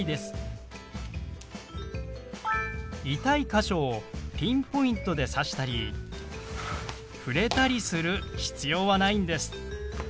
痛い箇所をピンポイントで指したり触れたりする必要はないんです。